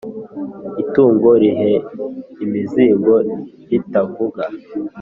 Itungo riheka imizigo ritavuga